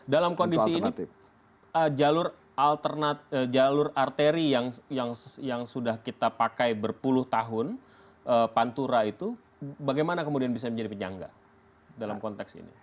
dalam kondisi ini jalur arteri yang sudah kita pakai berpuluh tahun pantura itu bagaimana kemudian bisa menjadi penyangga dalam konteks ini